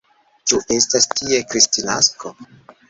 Ĉu estas tie Kristnasko?